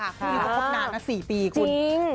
คุณนี้ก็พบนานนะ๔ปีคุณ